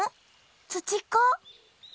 ツチッコ？